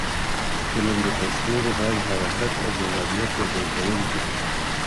فلم د تصویر، غږ، حرکت او جذابیت یو ځای کول دي